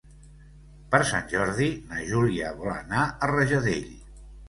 Per Sant Jordi na Júlia vol anar a Rajadell.